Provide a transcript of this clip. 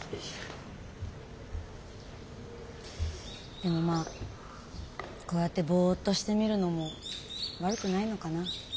でもまあこうやってぼっとしてみるのも悪くないのかな。